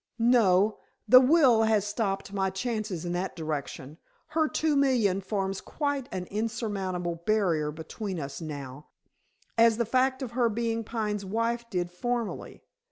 "No. The will has stopped my chances in that direction. Her two million forms quite an insurmountable barrier between us now, as the fact of her being Pine's wife did formerly.